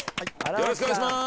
よろしくお願いします